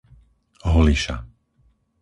Holiša